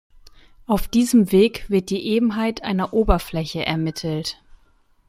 Auf diesem Weg wird die Ebenheit einer Oberfläche ermittelt.